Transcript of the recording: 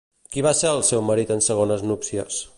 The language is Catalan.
Qui va ser el seu marit en segones núpcies?